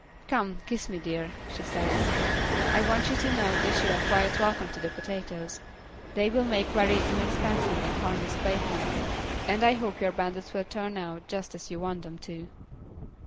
"Come, kiss me, dear," she said. "I want you to know that you are quite welcome to the potatoes. They will make very inexpensive and harmless playthings, and I hope your bandits will turn out just as you want them to."